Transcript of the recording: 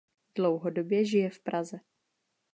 Dlouhodobě žije v Praze.